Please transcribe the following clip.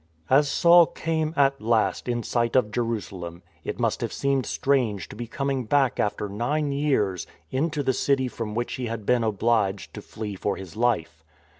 As Saul came, at last, in sight of Jerusalem it must have seemed strange to be coming back after nine years into the city from which he had been obliged to flee for his life.